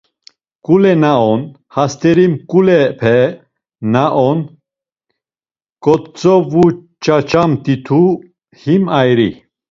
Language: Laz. Ǩule na on, hast̆eri mǩulepe na on ǩotzovuçaçamt̆itu, him ayri.